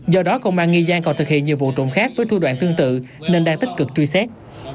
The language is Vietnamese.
do đó công an nghi giang còn thực hiện nhiều vụ trộm khác với thu đoạn tương tự nên đang tích cực truy xét